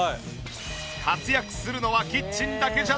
活躍するのはキッチンだけじゃない。